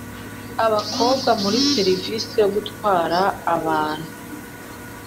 Abakora muri serivisi yo gutwara abantu